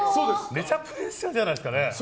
めちゃプレッシャーじゃないですか。